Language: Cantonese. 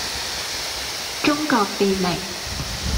中國電力